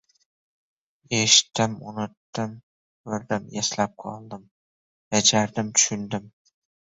— Eshitdim – unutdim. Ko‘rdim – eslab qoldim. Bajardim – tushundim.